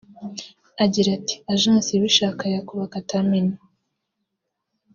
Agira ati "Agence ibishaka yakubaka Terminal